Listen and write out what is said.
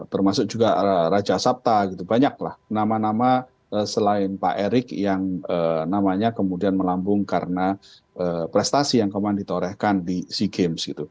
termasuk juga raja sabta gitu banyaklah nama nama selain pak erick yang namanya kemudian melambung karena prestasi yang kemarin ditorehkan di sea games gitu